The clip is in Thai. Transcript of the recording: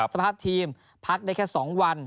สภาพทีมพักได้แค่๒วัน